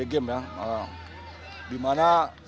di mana kemampuannya